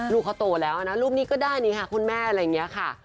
ลูกเขาโตแล้วนะรูปนี้ก็ได้นี่ค่ะคุณแม่อะไรอย่างนี้ค่ะ